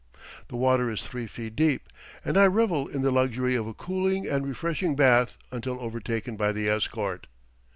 The water is three feet deep, and I revel in the luxury of a cooling and refreshing bath until overtaken by the escort.